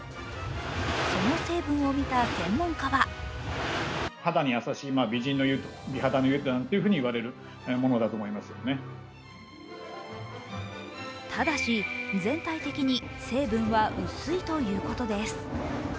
その成分を見た専門家はただし全体的には成分は薄いということです。